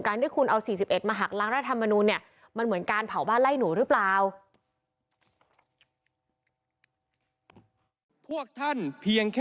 การที่คุณเอา๔๑มาหักล้างรัฐธรรมนูลเนี่ย